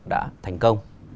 đã thành công